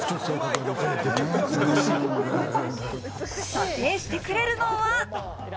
査定してくれるのは。